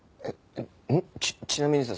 ちなみにさ